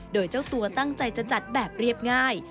โดยเจ้าตัวตั้งใจจะจัดแบบเรียบง่าย